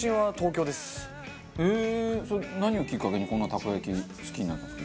何をきっかけにこんなにたこ焼き好きになったんですか？